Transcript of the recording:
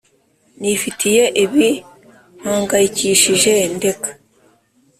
Nifitiye ibi mpangayikishije ndeka